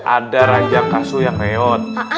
ada ranjang kasur yang reot